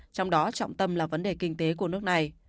trong đó trọng tâm là vấn đề kinh tế của nước này